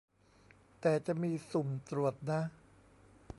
แต่จะมีสุ่มตรวจนะ